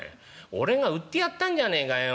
俺が売ってやったんじゃねえかよ。